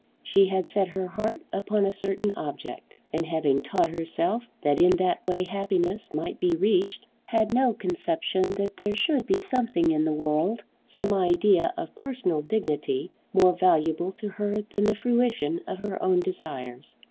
She had set her heart upon a certain object, and having taught herself that in that way happiness might be reached, had no conception that there should be something in the world, some idea of personal dignity, more valuable to her than the fruition of her own desires!